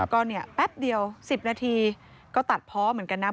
ก็เนี่ยแป๊บเดียว๑๐นาทีก็ตัดเพาะเหมือนกันนะ